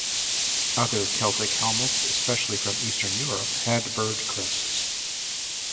Other Celtic helmets, especially from Eastern Europe, had bird crests.